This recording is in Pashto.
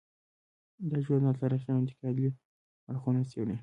دا ژورنال تاریخي او انتقادي اړخونه څیړي.